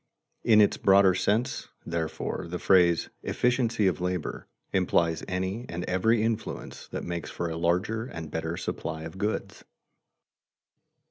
In its broader sense, therefore, the phrase "efficiency of labor" implies any and every influence that makes for a larger and better supply of goods.